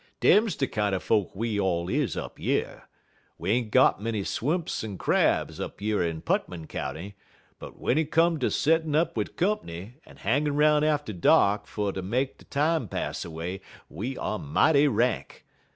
Dem's de kinder folk we all is up yer. We ain't got many swimps en crabs up yer in Putmon county, but w'en it come ter settin' up wid comp'ny en hangin' 'roun' atter dark fer ter make de time pass away, we er mighty rank.